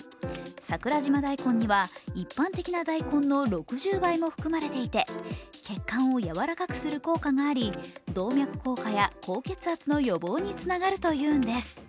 桜島大根には一般的な大根の６０倍も含まれていて血管を柔らかくする効果があり、動脈硬化や高血圧の予防につながるというのです。